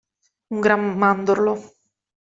Un gran mandorlo.